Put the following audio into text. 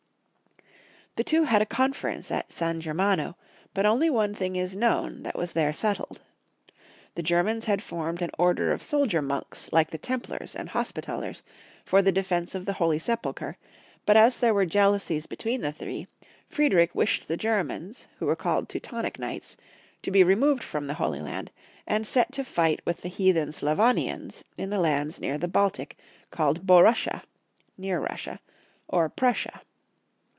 The two had a conference at San Germano, but only one thing is known, that was there settled. The Germans had formed an order of soldier monks like the Templars and Hospitallers for the defence of the Holy Sepulchre, but as there were jealousies between the three, Friedrich wished the Germans, who were called Teutonic Knights, to be removed from the Holy Land, and set to fight with the heathen Sclavonians in the lands near the Baltic called Borussia (near Russia) or Prussia.